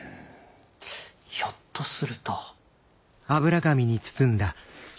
ひょっとすると。